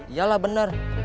iya lah bener